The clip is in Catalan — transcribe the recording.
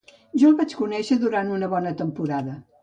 Jo el vaig conèixer durant una bona temporada.